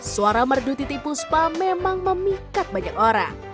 suara merdu titi puspa memang memikat banyak orang